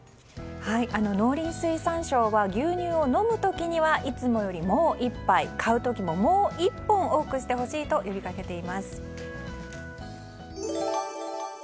農林水産省は牛乳を飲む時にはいつもより、もう１杯買う時も、もう１本多くしてほしいと呼びかけています。